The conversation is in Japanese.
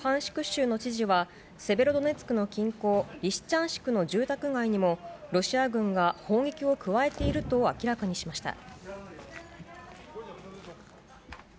州の知事は、セベロドネツクの近郊、リシチャンシクの住宅街にもロシア軍が砲撃を加えていると明らかにしました。